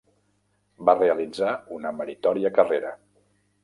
Va realitzar una meritòria carrera.